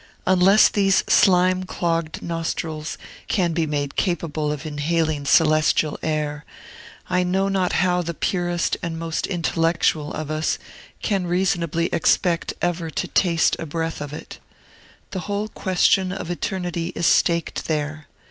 Unless these slime clogged nostrils can be made capable of inhaling celestial air, I know not how the purest and most intellectual of us can reasonably expect ever to taste a breath of it. The whole question of eternity is staked there.